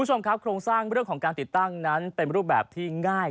คุณผู้ชมครับโครงสร้างเรื่องของการติดตั้งนั้นเป็นรูปแสงอาทิตย์ได้อย่างเต็มที่ด้วยนะครับ